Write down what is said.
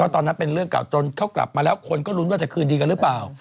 ตอนนั้นเป็นเรื่องเก่าจนเขากลับมาแล้วคนก็ลุ้นว่าจะคืนดีกันหรือเปล่า